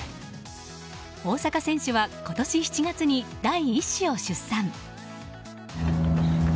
大坂選手は今年７月に第１子を出産。